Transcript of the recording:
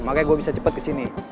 makanya gue bisa cepat kesini